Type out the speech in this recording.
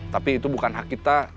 tapi itu bukan hak kita